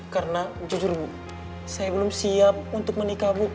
karena jujur bu saya belum siap untuk menikah bu